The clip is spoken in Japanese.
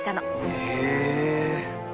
へえ。